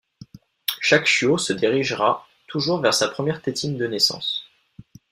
Chaque chiot se dirigera toujours vers sa première tétine de naissance.